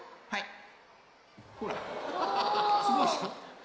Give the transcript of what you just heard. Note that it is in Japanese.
はい！